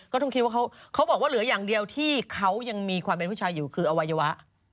ต้องคิดว่าเขาบอกว่าเหลืออย่างเดียวที่เขายังมีความเป็นผู้ชายอยู่คืออวัยวะ